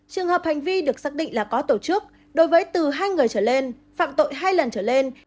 trường hợp hành vi được xác định là có tổ chức đối với từ hai người trở lên phạm tội hai lần trở lên